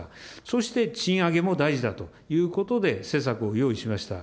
そして賃上げも大事だということで、施策を用意しました。